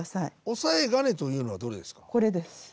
押さえ金というのはどれですか？